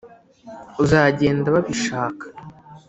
uzagenda babishaka???